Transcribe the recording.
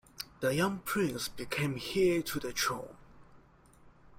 The young prince became heir to the throne.